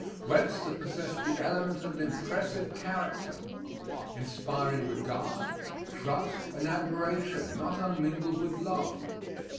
Webster possessed the element of an impressive character, inspiring regard, trust and admiration, not unmingled with love.